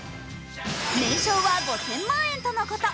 年商は５０００万円とのこと。